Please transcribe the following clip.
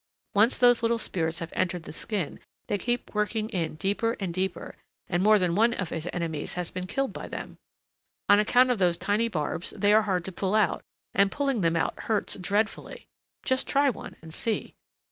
Once those little spears have entered the skin, they keep working in deeper and deeper, and more than one of his enemies has been killed by them. On account of those tiny barbs they are hard to pull out, and pulling them out hurts dreadfully. Just try one and see."